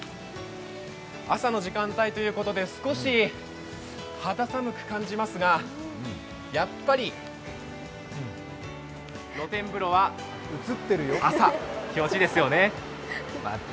朝の時間帯ということで少し肌寒く感じますが、やっぱり露天風呂は朝、気持ちいいですよね。